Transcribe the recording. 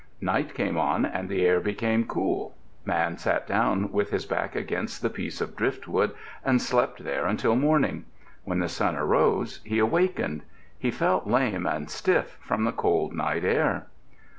Night came on and the air became cool. Man sat down with his back against the piece of driftwood and slept there until morning. When the sun arose he awakened. He felt lame and stiff from the cold night air.